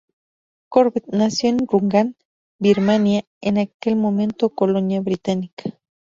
Corbett nació en Rangún, Birmania, en aquel momento colonia británica.